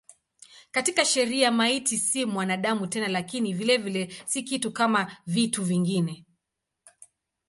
Katika sheria maiti si mwanadamu tena lakini vilevile si kitu kama vitu vingine.